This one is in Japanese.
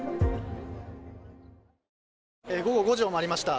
午後５時を回りました。